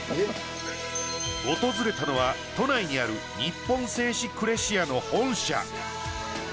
訪れたのは都内にある日本製紙クレシアの本社。